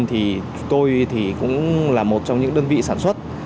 thì tôi thì cũng là một trong những đơn vị sản xuất